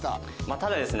ただですね